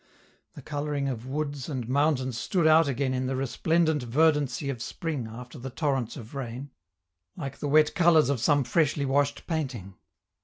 The coloring of woods and mountains stood out again in the resplendent verdancy of spring after the torrents of rain, like the wet colors of some freshly washed painting.